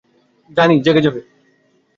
তানি জেগে যাবে!